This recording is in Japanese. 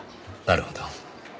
なるほど。